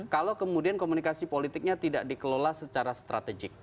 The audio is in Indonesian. kalau kemudian komunikasi politiknya tidak dikelola secara strategik